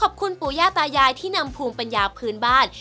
ปู่ย่าตายายที่นำภูมิปัญญาพื้นบ้าน